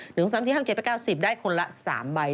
หนึ่งสามสี่ห้าง๗๙๑๐ได้คนละ๓ใบ